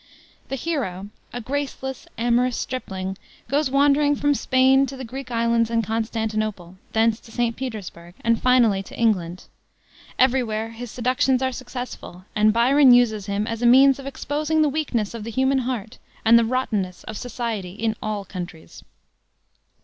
The hero, a graceless, amorous, stripling, goes wandering from Spain to the Greek islands and Constantinople, thence to St. Petersburg, and finally to England. Every where his seductions are successful, and Byron uses him as a means of exposing the weakness of the human heart and the rottenness of society in all countries.